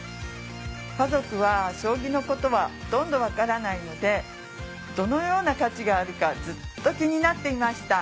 家族は将棋のことはほとんどわからないのでどのような価値があるかずっと気になっていました。